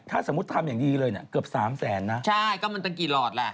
ถ้าสมมุติทำอย่างดีเลยเนี่ยเกือบสามแสนนะใช่ก็มันตั้งกี่หลอดแหละ